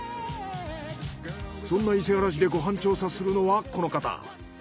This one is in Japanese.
そんな伊勢原市でご飯調査するのはこの方。